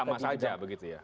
sama saja begitu ya